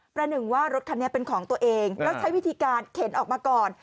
หนึ่งว่ารถคันนี้เป็นของตัวเองแล้วใช้วิธีการเข็นออกมาก่อน